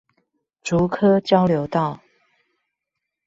竹科交流道